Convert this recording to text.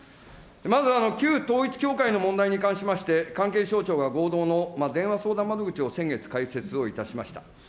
まず、旧統一教会の問題に関しまして、関係省庁が合同の電話相談窓口を先月、開設をいたしました。